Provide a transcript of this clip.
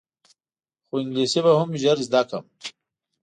خو انګلیسي به هم ژر زده کړم.